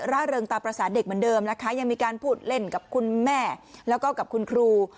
เริงตาประสาทเด็กเหมือนเดิมนะคะยังมีการพูดเล่นกับคุณแม่แล้วก็กับคุณครู